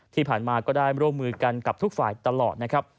ที่ผ่านมาก็ได้ร่วมมือกันกับทุกฝ่ายตลอดนะครับ